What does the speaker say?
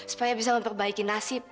supaya bisa memperbaiki nasib